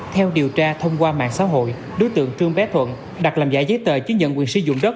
theo điều tra thông qua mạng xã hội đối tượng trương bé thuận đặt làm giải giấy tờ chứng nhận quyền sử dụng đất